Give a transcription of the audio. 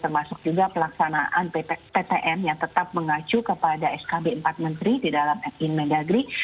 termasuk juga pelaksanaan ptm yang tetap mengacu kepada skb empat menteri di dalam in mendagri